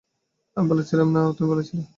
আমি পালাচ্ছিলাম না না, তুমি পালাচ্ছিলে।